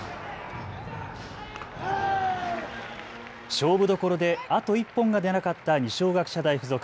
勝負どころであと１本が出なかった二松学舎大付属。